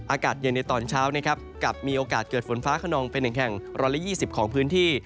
อากาศเย็นในตอนเช้านะครับกลับมีโอกาสเกิดฝนฟ้าขนองเป็น๑แห่ง๑๒๐ของพื้นที่